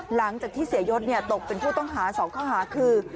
หลังจากที่เสียยศตกเป็นผู้ต้องหา๒ข้อหาคือ